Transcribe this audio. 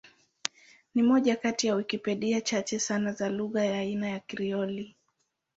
Ni moja kati ya Wikipedia chache sana za lugha ya aina ya Krioli.